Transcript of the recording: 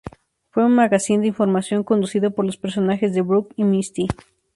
Fue un magazine de información conducido por los personajes de Brock y Misty.